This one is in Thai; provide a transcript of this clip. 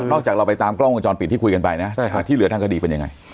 จากเราไปตามกล้องวงจรปิดที่คุยกันไปนะที่เหลือทางคดีเป็นยังไง